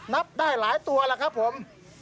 นับได้หลายตัวแล้วครับผม